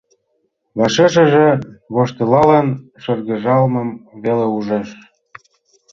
Вашешыже воштылалын шыргыжалмым веле ужеш.